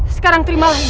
sekarang terimalah ini